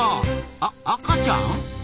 あ赤ちゃん？